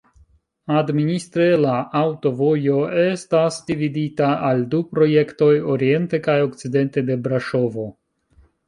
Administre la aŭtovojo estas dividita al du projektoj, oriente kaj okcidente de Braŝovo.